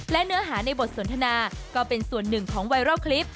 และเนื้อหาในบทสนทนาก็เป็นส่วนหนึ่งของไวรัลคลิป